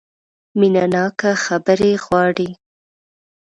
مینه ناکه خبرې غواړي .